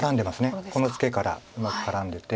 このツケからうまく絡んでて。